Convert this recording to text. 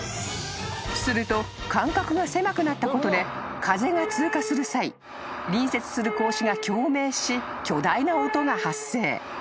［すると間隔が狭くなったことで風が通過する際隣接する格子が共鳴し巨大な音が発生］